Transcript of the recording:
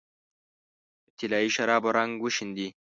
د طلايي شرابو رنګ وشیندې